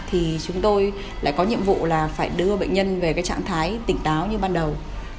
thì chúng tôi lại có nhiệm vụ là phải đưa bệnh nhân về trạng thái tỉnh táo như ban đầu